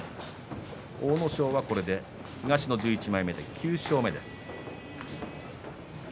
阿武咲はこれで東の１１枚目９勝目です。